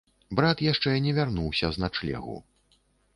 Брат яшчэ не вярнуўся з начлегу.